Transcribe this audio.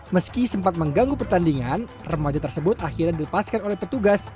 meski sempat mengganggu pertandingan remaja tersebut akhirnya dilepaskan oleh petugas